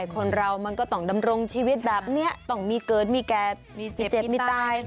คนเรามันก็ต้องดำรงชีวิตแบบนี้ต้องมีเกิดมีแก่มีเจ็บมีตาย